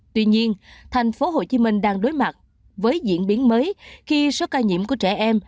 tuy nhiên tp hcm đang đối mặt với diễn biến mới khi số ca nhiễm của trẻ em